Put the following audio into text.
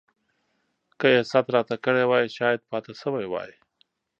که يې ست راته کړی وای شايد پاته سوی وای.